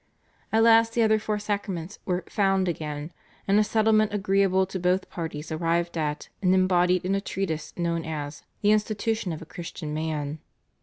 At last the other four Sacraments were "found again," and a settlement agreeable to both parties arrived at and embodied in a treatise known as /The Institution of a Christian Man